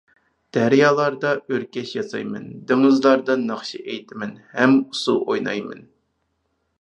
دەريالاردا ئۆركەش ياسايمەن، دېڭىزلاردا ناخشا ئېيتىمەن ھەم ئۇسسۇل ئوينايمەن.